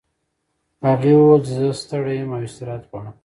هغې وویل چې زه ستړې یم او استراحت غواړم